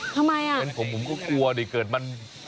ทำไมอ่ะเป็นผมผมก็กลัวดิเกิดมัน